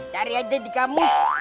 dari ada di kamus